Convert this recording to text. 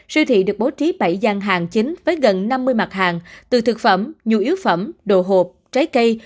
siêu thị được bố trí bảy gian hàng chính với gần năm mươi mặt hàng từ thực phẩm nhu yếu phẩm đồ hộp trái cây